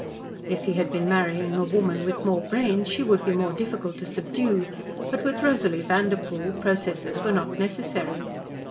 If he had been marrying a woman with more brains, she would be more difficult to subdue, but with Rosalie Vanderpoel, processes were not necessary.